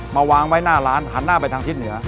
วางไว้หน้าร้านหันหน้าไปทางทิศเหนือ